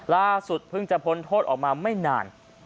ล่าสุดเพิ่งจะพ้นโทษออกมาไม่นาน